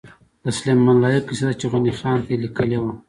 د سلیمان لایق قصیده چی غنی خان ته یی لیکلې وه